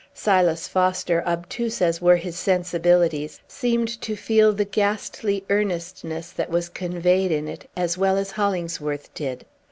Silas Foster, obtuse as were his sensibilities, seemed to feel the ghastly earnestness that was conveyed in it as well as Hollingsworth did.